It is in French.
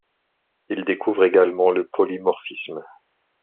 Il découvre également le polymorphisme.